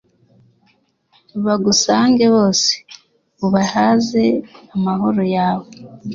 bagusange bose, ubahaze amahoro yawe